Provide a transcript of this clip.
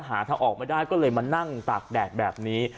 หาทางออกไม่ได้ก็เลยมานั่งตากแดดแบบนี้